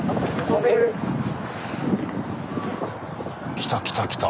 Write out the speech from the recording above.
来た来た来た。